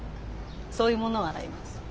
そういうものを洗います。